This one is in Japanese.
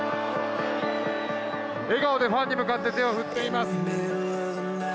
笑顔でファンに向かって手を振っています。